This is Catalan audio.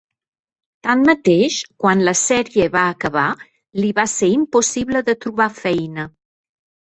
Tanmateix, quan la sèrie va acabar, li va ser impossible de trobar feina.